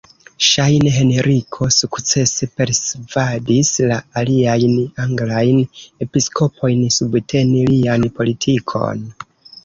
Ŝajne Henriko sukcese persvadis la aliajn anglajn episkopojn subteni lian politikon.